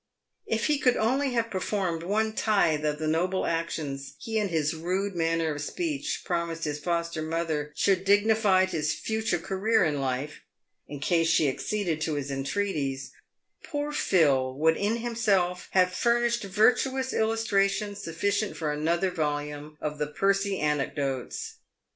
If he could only have performed oue tithe of the noble actions he in his rude manner of speech promised his foster mother should dignify his future career in life, in case she acceded to his entreaties, poor Phil would in himself have furnished virtuous illustrations sufficient for another volume of the Percy Anecdotes.